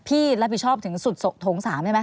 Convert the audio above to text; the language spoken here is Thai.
พี่รับผิดชอบถึงสุดโถงสามใช่ไหม